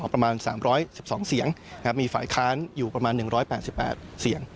ประมาณ๓๑๒เสียงมีฝ่ายค้านอยู่ประมาณ๑๘๘เสียง